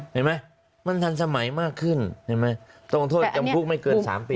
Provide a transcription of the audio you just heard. เห็นไหมมันทันสมัยมากขึ้นตรงโทษจำพุกไม่เกิน๓ปี